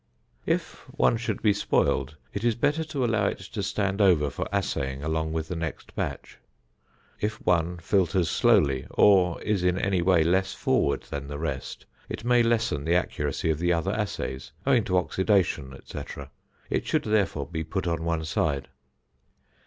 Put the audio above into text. If one should be spoiled, it is better to allow it to stand over for assaying along with the next batch. If one filters slowly or is in any way less forward than the rest, it may lessen the accuracy of the other assays, owing to oxidation, &c., it should, therefore, be put on one side.